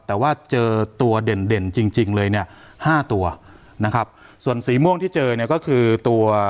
แต่ว่าเจอตัวเด่นเด่นจริงจริงเลยเนี่ยห้าตัวนะครับส่วนสีม่วงที่เจอเนี่ยก็คือตัว